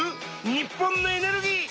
日本のエネルギー。